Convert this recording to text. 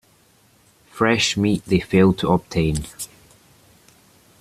Fresh meat they failed to obtain.